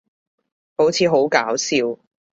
好似好搞笑